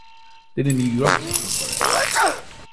তিনি New York সফর করেন।